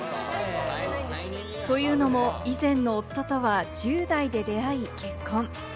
というのも、以前の夫とは１０代で出会い、結婚。